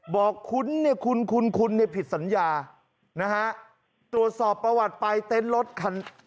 คุ้นเนี่ยคุณคุ้นคุณเนี่ยผิดสัญญานะฮะตรวจสอบประวัติไปเต็นต์รถคัน